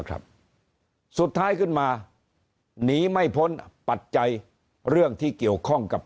ครับสุดท้ายขึ้นมาหนีไม่พ้นปัจจัยเรื่องที่เกี่ยวข้องกับ